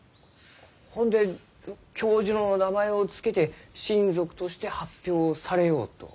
ほんで教授の名前を付けて新属として発表されようと？